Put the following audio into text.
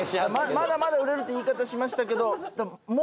まだまだ売れるって言い方しましたけど多分。